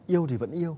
yêu thì vẫn yêu